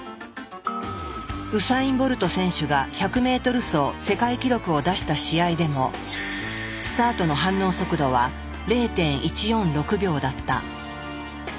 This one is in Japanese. ウサイン・ボルト選手が１００ｍ走世界記録を出した試合でもスタートの反応速度は０．１４６秒だった。